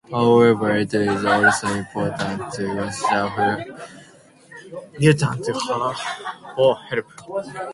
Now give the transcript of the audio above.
However, it is also important to consider who you turn to for help.